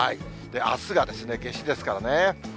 あすが夏至ですからね。